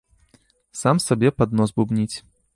Сам сабе пад нос бубніць.